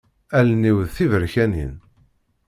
Allen-iw d tiberkanin.